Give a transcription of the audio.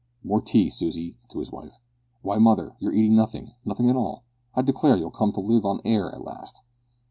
More tea, Susy," (to his wife). "Why, mother, you're eating nothing nothing at all. I declare you'll come to live on air at last."